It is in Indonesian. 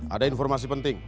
ada informasi penting